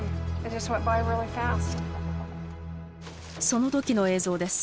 その時の映像です。